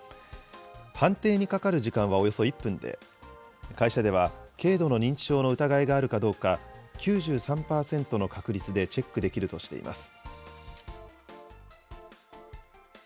判定にかかる時間はおよそ１分で、会社では、軽度の認知症の疑いがあるかどうか、９３％の確率でチェックできるとしています。